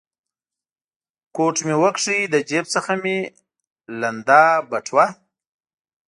کوټ مې و کښ، له جېب څخه مې لوند بټوه.